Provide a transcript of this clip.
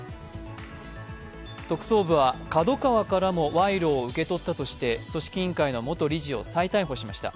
特捜部はＫＡＤＯＫＡＷＡからも賄賂を受け取ったとして、組織委員会の元理事を再逮捕しました。